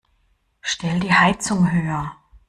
Stell die Heizung höher.